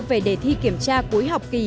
về đề thi kiểm tra cuối học kì